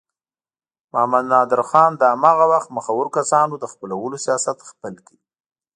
محمد نادر خان د هماغه وخت مخورو کسانو د خپلولو سیاست خپل کړ.